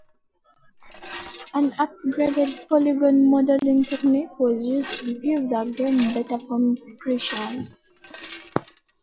An upgraded polygon modelling technique was used to give the game better-formed creatures.